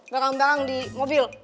barang barang di mobil